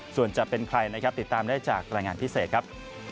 ส่วนจะเป็นใครนะครับติดตามได้จากรายงานพิเศษครับ